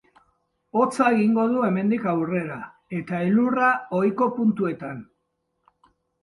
Hotza egingo du hemendik aurrera, eta elurra ohiko puntuetan.